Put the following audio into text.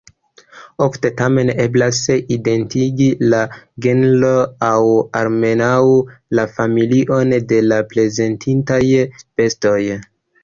Ofte tamen eblas identigi la genron aŭ almenaŭ la familion de la prezentitaj bestoj.